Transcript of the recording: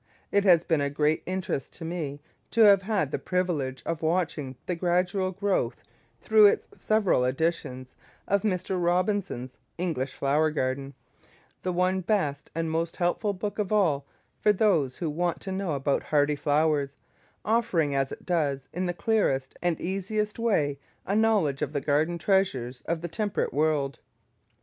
It has been a great interest to me to have had the privilege of watching the gradual growth, through its several editions, of Mr. Robinson's "English Flower Garden," the one best and most helpful book of all for those who want to know about hardy flowers, offering as it does in the clearest and easiest way a knowledge of the garden treasures of the temperate world.